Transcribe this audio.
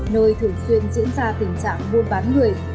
nơi thường xuyên diễn ra tình trạng buôn bán người